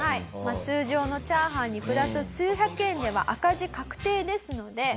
通常のチャーハンにプラス数百円では赤字確定ですので２人はですね